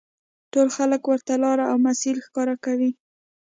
ټول خلک ورته لاره او مسیر ښکاره کوي.